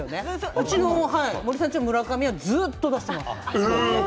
うちの森三中の村上はずっと出してます。